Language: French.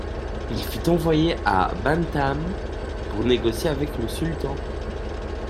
Il fut envoyé à Bantam pour négocier avec le sultan.